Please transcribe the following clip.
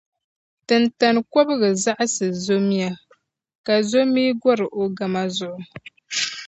Tintani kɔbiga zaɣisi zomia, ka zomia gɔr’ o gama zuɣu.